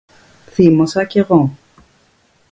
Θύμωσα κι εγώ